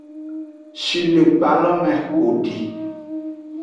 Shilekpa lo me xo edi.